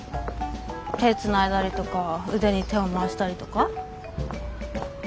手つないだりとか腕に手を回したりとか？